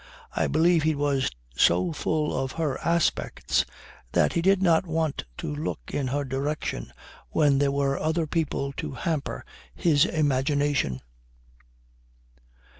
I believe he was so full of her aspects that he did not want to look in her direction when there were other people to hamper his imagination.